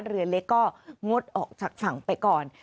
เรือเล็กก็งดออกจากฝั่งไปก่อน